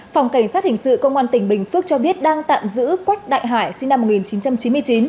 phòng cảnh sát hình sự công an tỉnh bình phước cho biết đang tạm giữ quách đại hải sinh năm một nghìn chín trăm chín mươi chín